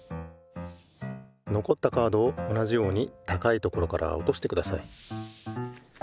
のこったカードを同じようにたかいところからおとしてください。